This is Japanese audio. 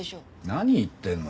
何言ってんの？